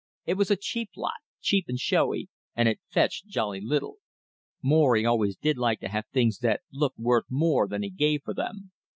It was a cheap lot, cheap and showy, and it fetched jolly little. Morry always did like to have things that looked worth more than he gave for them.